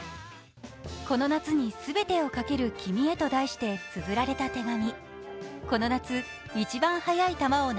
「この夏にすべてをかける君へ」と題してつづられた手紙。